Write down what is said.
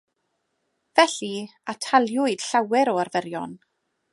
Felly, ataliwyd llawer o arferion.